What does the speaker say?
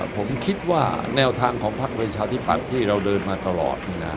ผมคิดว่าแนวทางของภาคโดยเช้าที่ปั๊บที่เราเดินมาตลอด